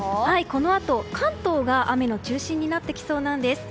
このあと、関東が雨の中心になってきそうなんです。